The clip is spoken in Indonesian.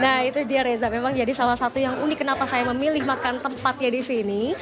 nah itu dia reza memang jadi salah satu yang unik kenapa saya memilih makan tempatnya di sini